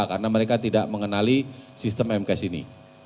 karena mereka tidak mengenali sistem mks ini